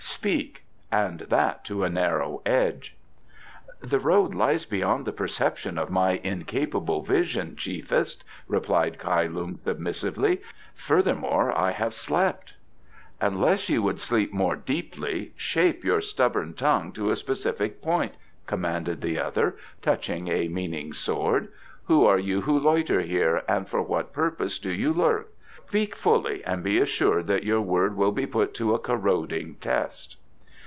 Speak, and that to a narrow edge." "The road lies beyond the perception of my incapable vision, chiefest," replied Kai lung submissively. "Furthermore, I have slept." "Unless you would sleep more deeply, shape your stubborn tongue to a specific point," commanded the other, touching a meaning sword. "Who are you who loiter here, and for what purpose do you lurk? Speak fully, and be assured that your word will be put to a corroding test."